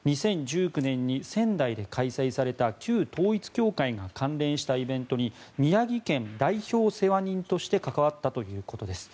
２０１９年に仙台で開催された旧統一教会が関連したイベントに宮城県代表世話人として関わったということです。